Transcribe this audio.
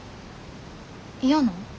嫌なん？